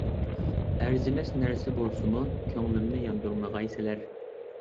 ئەرزىمەس نەرسە بولسىمۇ، كۆڭلۈمنى ياندۇرمىغايسىلەر.